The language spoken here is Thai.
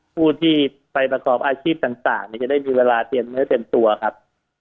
ผู้ที่ไปประกอบอาชีพต่างจะได้มีเวลาเตรียมเนื้อเตรียมตัวครับ